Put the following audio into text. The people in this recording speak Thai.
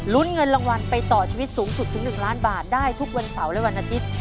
เงินรางวัลไปต่อชีวิตสูงสุดถึง๑ล้านบาทได้ทุกวันเสาร์และวันอาทิตย์